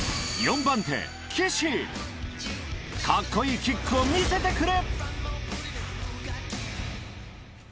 カッコいいキックを見せてくれ！